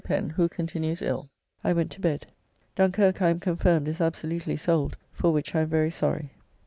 Pen, who continues ill, I went to bed. Dunkirk, I am confirmed, is absolutely sold; for which I am very sorry.